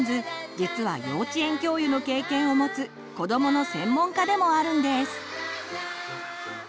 実は幼稚園教諭の経験をもつ子どもの専門家でもあるんです。